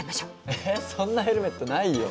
えそんなヘルメットないよ。